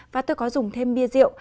và tôi có dùng thêm bia rượu